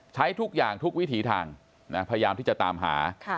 ใช้ทุกอย่างทุกวิถีทางพยายามที่จะตามหา